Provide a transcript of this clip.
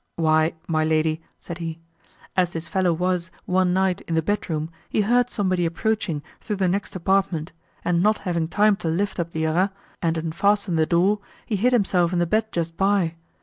"Why, my lady," said he, "as this fellow was, one night in the bedroom, he heard somebody approaching through the next apartment, and not having time to lift up the arras, and unfasten the door, he hid himself in the bed just by.